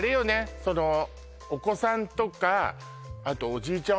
そのお子さんとかあとおじいちゃん